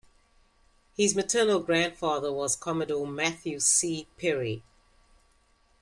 His maternal grandfather was Commodore Matthew C. Perry.